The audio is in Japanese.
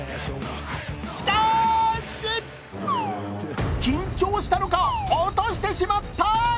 しかし、緊張したのか、落としてしまった。